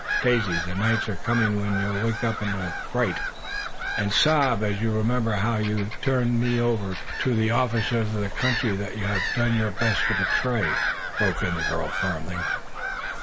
Daisy, the nights are coming when you'll wake up with a frightened start, and sob as you remember how you turned me over to " "To the officers of the country that you have done your best to betray," broke in the girl, firmly.